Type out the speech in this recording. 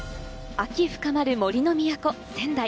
秋深まる杜の都・仙台。